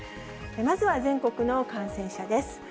まずは全国の感染者です。